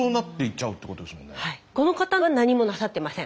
はいこの方は何もなさってません。